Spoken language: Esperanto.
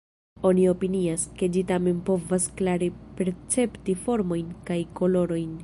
Oni opinias, ke ĝi tamen povas klare percepti formojn kaj kolorojn.